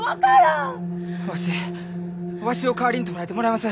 わしわしを代わりに捕らえてもらいます。